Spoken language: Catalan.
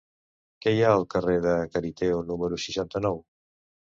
Què hi ha al carrer de Cariteo número seixanta-nou?